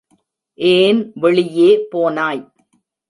ஏன் வெளியே போனாய்?